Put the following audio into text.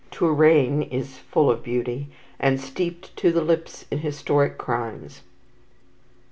Touraine is full of beauty, and steeped to the lips in historic crimes.